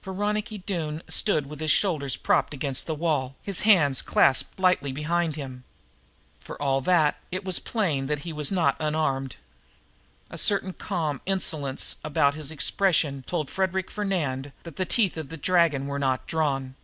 For Ronicky Doone stood with his shoulders propped against the wall, his hands clasped lightly behind him. For all that, it was plain that he was not unarmed. A certain calm insolence about his expression told Frederic Fernand that the teeth of the dragon were not drawn.